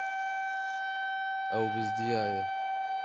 Ew bizdiyaye.